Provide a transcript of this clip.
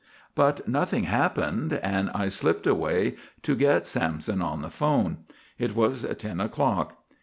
But nothing happened and I slipped away to get Sampson on the 'phone. It was ten o'clock.